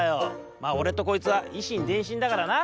まあおれとこいつは以心伝心だからな。